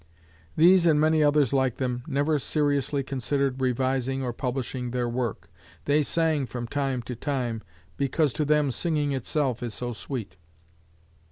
These and many others like them never seriously considered revising or publishing their work. They sang from time to time because to them "singing itself is so sweet."